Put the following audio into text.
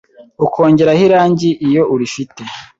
ukongeraho irangi iyo urifite